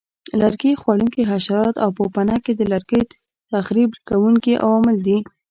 لرګي خوړونکي حشرات او پوپنکي د لرګیو تخریب کوونکي عوامل دي.